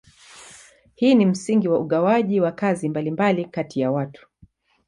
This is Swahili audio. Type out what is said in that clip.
Hii ni msingi wa ugawaji wa kazi mbalimbali kati ya watu.